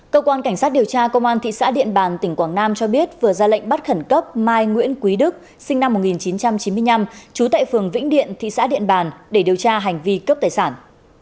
cơ quan cảnh sát điều tra công an thị xã điện bàn tỉnh quảng nam cho biết vừa ra lệnh bắt khẩn cấp mai nguyễn quý đức sinh năm một nghìn chín trăm chín mươi năm trú tại phường vĩnh điện thị xã điện bàn để điều tra hành vi cướp tài sản